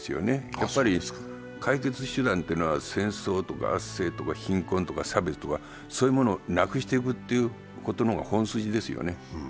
やっぱり解決手段というのは戦争とか貧困とか差別とかそういうものをなくしていくということの方が本筋ですよね。